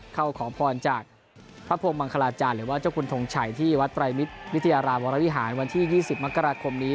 ขอพรจากพระพรมมังคลาจารย์หรือว่าเจ้าคุณทงชัยที่วัดไตรมิตรวิทยารามวรวิหารวันที่๒๐มกราคมนี้